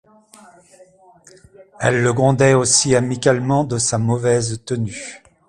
Elle le grondait aussi amicalement de sa mauvaise tenue.